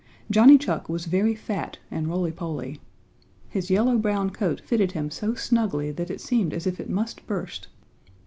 Johnny Chuck was very fat and rolly poly. His yellow brown coat fitted him so snugly that it seemed as if it must burst.